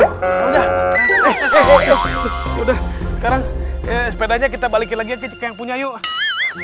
udah sekarang sepedanya kita balikin lagi yang punya yuk